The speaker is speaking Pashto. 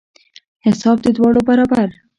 حساب د دواړو برابر.